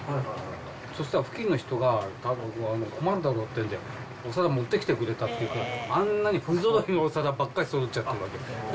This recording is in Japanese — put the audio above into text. そしたら付近の人が困るだろってんで、お皿持ってきてくれたっていう、あんなに不ぞろいのお皿ばっかりそろっちゃってるわけ。